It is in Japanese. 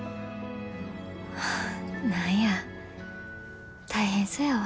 はあ何や大変そやわ。